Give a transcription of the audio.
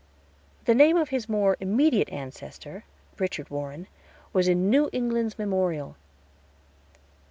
The name of his more immediate ancestor, Richard Warren, was in "New England's Memorial."